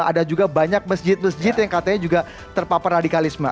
ada juga banyak masjid masjid yang katanya juga terpapar radikalisme